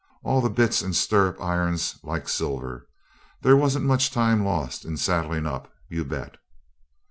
All the bits and stirrup irons like silver. There wasn't much time lost in saddling up, you bet!